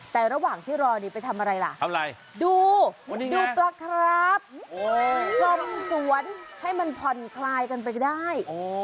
แต่ระหว่างที่รอนี่ไปทำอะไรล่ะทำอะไรดูดูปลาครับทำสวนให้มันผ่อนคลายกันไปได้